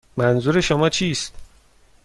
منظور شما چیست؟